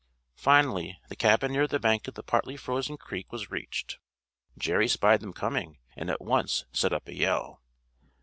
Finally the cabin near the bank of the partly frozen creek was reached. Jerry spied them coming, and at once set up a yell.